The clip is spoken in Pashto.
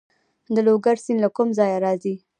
د لوګر سیند له کوم ځای راځي؟